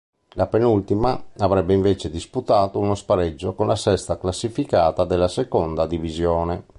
La penultima avrebbe, invece, disputato uno spareggio con la sesta classificata della seconda divisione.